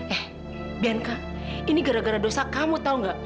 eh beanka ini gara gara dosa kamu tau gak